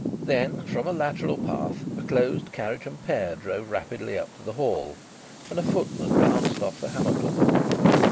Then, from a lateral path, a closed carriage and pair drove rapidly up to the Hall, and a footman bounced off the hammercloth.